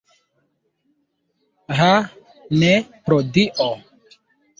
Ha, ne, pro Dio!